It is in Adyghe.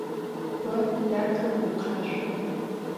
Vo daxeu vukheşso.